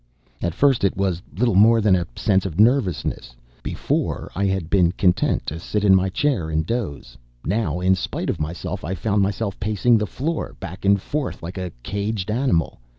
At first it was little more than a sense of nervousness. Before I had been content to sit in my chair and doze. Now, in spite of myself, I found myself pacing the floor, back and forth like a caged animal.